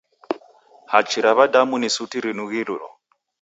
Hachi ra w'adamu ni suti rinughilo.